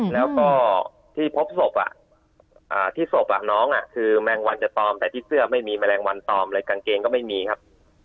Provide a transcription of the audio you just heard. แล้วก็ที่พบศพที่ศพน้องคือแมงวันจะตอมแต่ที่เสื้อไม่มีแมลงวันตอมเลยกางเกงก็ไม่มีครับ